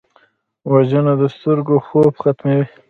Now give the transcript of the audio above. وژنه د سترګو خوب ختموي